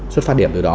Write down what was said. xuất phát điểm từ đó